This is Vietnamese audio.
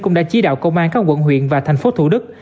cũng đã chỉ đạo công an các quận huyện và thành phố thủ đức